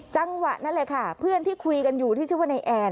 จังหวะนั้นเลยค่ะเพื่อนที่คุยกันอยู่ที่ชื่อว่านายแอน